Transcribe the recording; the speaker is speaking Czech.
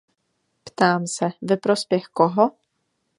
Ptám se, ve prospěch koho?